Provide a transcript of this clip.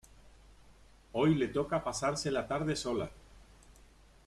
Hoy le toca pasarse la tarde sola